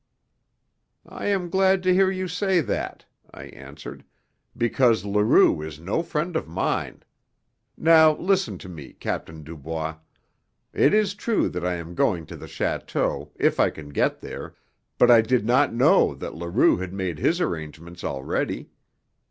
"I am glad to hear you say that," I answered, "because Leroux is no friend of mine. Now listen to me, Captain Dubois. It is true that I am going to the château, if I can get there, but I did not know that Leroux had made his arrangements already.